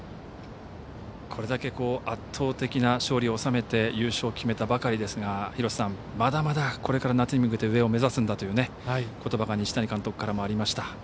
これだけ圧倒的な勝利を収めて優勝を決めたばかりですがまだまだこれから夏に向けて上を目指すんだということばが西谷監督からもありました。